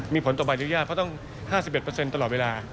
มีผลต่อไปเรียกยากเพราะต้อง๕๑เปอร์เซ็นต์ตลอดเวลา